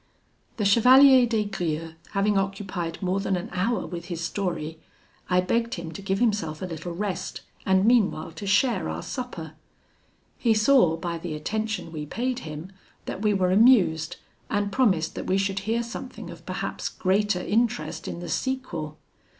The Chevalier des Grieux having occupied more than an hour with his story, I begged him to give himself a little rest, and meanwhile to share our supper. He saw, by the attention we paid him, that we were amused, and promised that we should hear something of perhaps greater interest in the sequel.